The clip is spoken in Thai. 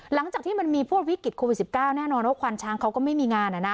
หลังจากที่มันมีพวกวิกฤตโควิด๑๙แน่นอนว่าควันช้างเขาก็ไม่มีงาน